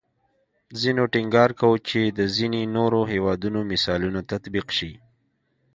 ځینو ټینګار کوو چې د ځینې نورو هیوادونو مثالونه تطبیق شي